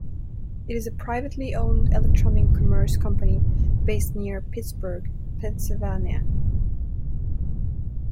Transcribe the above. It is a privately owned electronic commerce company based near Pittsburgh, Pennsylvania.